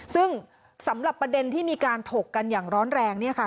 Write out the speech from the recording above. ซึ่งสำหรับประเด็นที่มีการถกกันอย่างร้อนแรงเนี่ยค่ะ